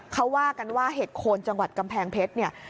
เขาว่ากันว่าเห็ดโคนจังหวัดกำแพงเพชรเนี่ย